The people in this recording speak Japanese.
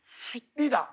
リーダー。